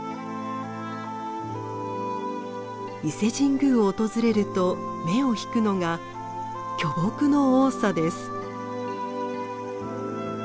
伊勢神宮を訪れると目を引くのが巨木の多さです。